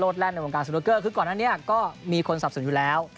แล่นในวงการสนุกเกอร์คือก่อนอันนี้ก็มีคนสับสนอยู่แล้ว